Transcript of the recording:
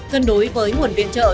gần đối với nguồn viên trợ